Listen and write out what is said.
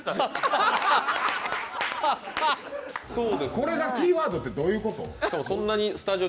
これがキーワードってどういうこと？